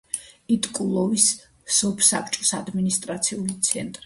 იტკულოვის სოფსაბჭოს ადმინისტრაციული ცენტრი.